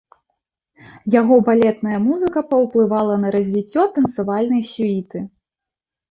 Яго балетная музыка паўплывала на развіццё танцавальнай сюіты.